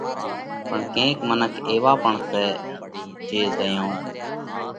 پڻ ڪينڪ منک ايوا پڻ سئہ جي زئيون